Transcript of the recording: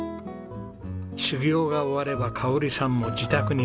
修業が終われば香さんも自宅に戻ってきます。